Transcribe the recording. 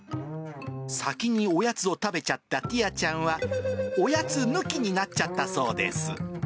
先におやつを食べちゃったティアちゃんは、おやつ抜きになっちゃったそうです。